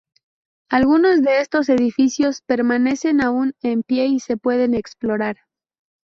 Algunos de estos edificios permanecen aún en pie y se pueden explorar.